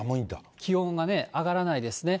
気温がね、上がらないですね。